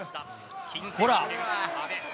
ほら。